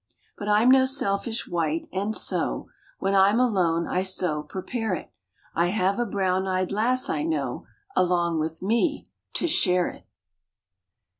But I m no selfish wight, and so When I m alone I so prepare it I have a brown eyed lass I know Along with me to share it